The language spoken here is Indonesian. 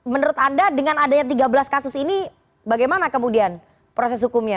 menurut anda dengan adanya tiga belas kasus ini bagaimana kemudian proses hukumnya